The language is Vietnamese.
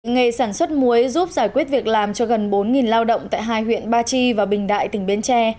nghề sản xuất muối giúp giải quyết việc làm cho gần bốn lao động tại hai huyện ba chi và bình đại tỉnh bến tre